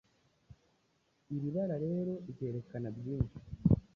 Iri bara rero ryerekana byinshi